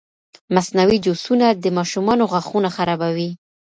مصنوعي جوسونه د ماشومانو غاښونه خرابوي.